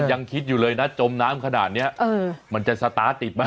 ยังคิดอยู่เลยนะจมน้ำขนาดนี้มันจะสตาร์ทติดไหม